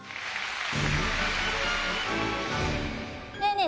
ねえねえ